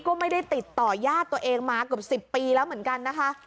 ก็ไม่ได้ติดต่อยาดตัวเองมาเกือบ๑๐ปีแล้วเหมือนกันนะคะ